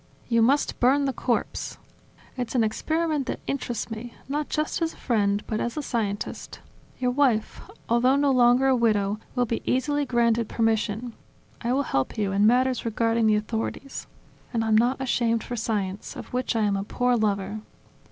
"You must burn the corpse. It's an experiment that interests me, not just as a friend but as a scientist. Your wife, although no longer a widow, will be easily granted permission; I will help you in matters regarding the authorities. And I'm not ashamed for science, of which I am a poor lover.